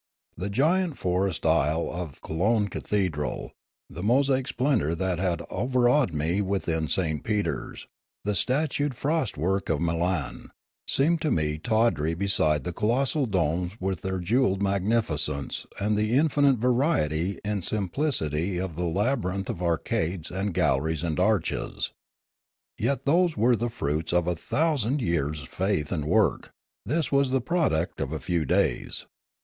The giant forest aisle of Cologne Cathedral, the mosaic splendour that had overawed me within St. Peter's, the statued frost work of Milan, seemed to me tawdry beside the colossal domes with their jewelled magnifi cence and the infinite variety in simplicity of the laby rinth of arcades and galleries and arches. Yet those were the fruits of a thousand years' faith and work; this was the product of a few days.